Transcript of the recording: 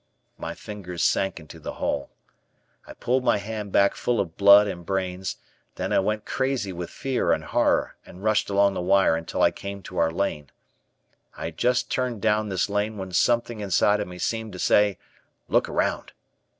My fingers sank into the hole. I pulled my hand back full of blood and brains, then I went crazy with fear and horror and rushed along the wire until I came to our lane. I had just turned down this lane when something inside of me seemed to say, "Look around."